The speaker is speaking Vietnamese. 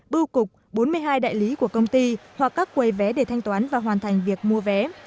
bưu cục bốn mươi hai đại lý của công ty hoặc các quầy vé để thanh toán và hoàn thành việc mua vé